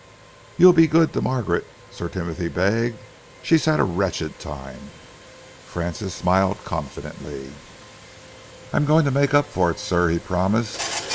"You'll be good to Margaret?" Sir Timothy begged. "She's had a wretched time." Francis smiled confidently. "I'm going to make up for it, sir," he promised.